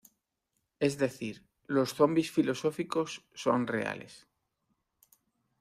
Es decir, los zombis filosóficos son reales.